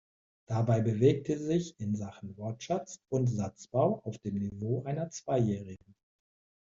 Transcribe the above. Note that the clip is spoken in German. Dabei bewegte sie sich in Sachen Wortschatz und Satzbau auf dem Niveau einer Zweijährigen.